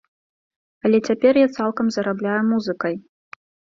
Але цяпер я цалкам зарабляю музыкай.